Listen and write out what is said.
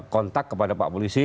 kontak kepada pak polisi